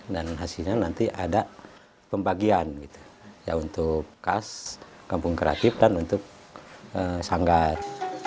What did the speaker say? dan hasilnya nanti ada pembagian gitu ya untuk kas kampung kreatif dan untuk sanggar